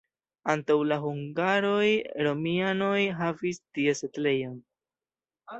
Antaŭ la hungaroj romianoj havis tie setlejon.